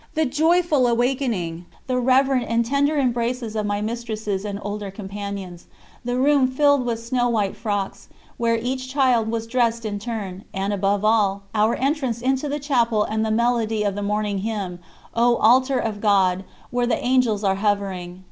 the joyful awakening, the reverent and tender embraces of my mistresses and older companions, the room filled with snow white frocks, where each child was dressed in turn, and, above all, our entrance into the chapel and the melody of the morning hymn: "O Altar of God, where the Angels are hovering."